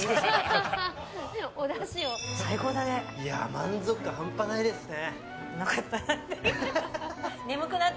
満足感半端ないんですね。